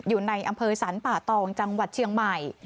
อยู่ในอำเภอสรรป่าตองจังหวัดเชียงใหม่